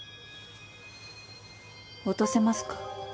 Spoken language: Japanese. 落とせますか？